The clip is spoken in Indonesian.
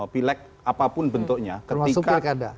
pileg apapun bentuknya termasuk pilkada